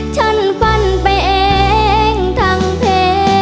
ฉันฟันไปเองทั้งเพลง